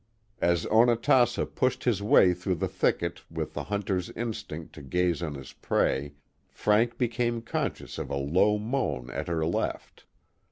As Onatassa pushed his way through the thicket with the.hunter*s instinct to gaze on his prey, Frank became conscious of a low moan at her left.